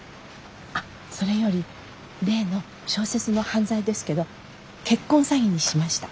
あっそれより例の小説の犯罪ですけど結婚詐欺にしました。